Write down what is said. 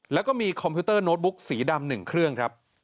แล้วก็มีคอมพิวเตอร์โน้ตบุ๊กสีดำ๑เครื่องครับ